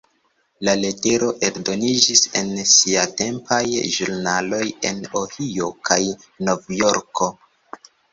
La letero eldoniĝis en siatempaj ĵurnaloj en Ohio kaj Novjorko.